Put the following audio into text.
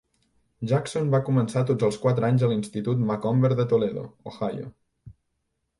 Jackson va començar tots els quatre anys a l'institut Macomber de Toledo, Ohio.